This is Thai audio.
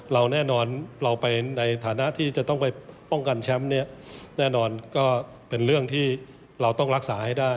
แน่นอนเราไปในฐานะที่จะต้องไปป้องกันแชมป์เนี่ยแน่นอนก็เป็นเรื่องที่เราต้องรักษาให้ได้